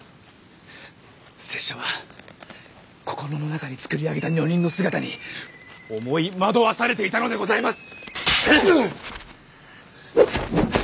拙者は心の中に作り上げた女人の姿に思い惑わされていたのでございます！